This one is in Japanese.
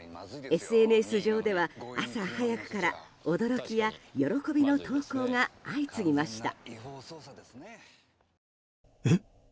ＳＮＳ上では、朝早くから驚きや喜びの投稿が相次ぎました。